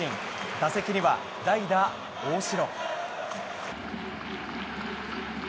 打席には代打、大城。